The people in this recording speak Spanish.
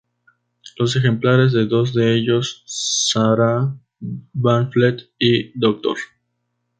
Los ejemplares de dos de ellos, 'Sarah Van Fleet' y 'Dr.